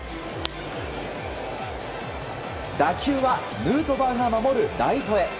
打球はヌートバーが守るライトへ。